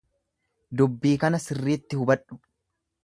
Dubbii kana sirriitti hubadhu.